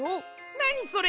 なにそれ？